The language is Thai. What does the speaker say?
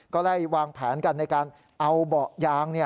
ก็ได้วางแผนกันในการเอาเบาะยาง